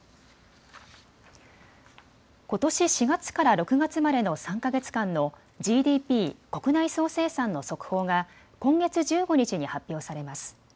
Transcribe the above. ことし４月から６月までの３か月間のＧＤＰ・国内総生産の速報が今月１５日に発表されます。